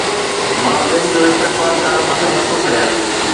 مان ٻين جو استقبال ڪرڻ پسند نٿو ڪريان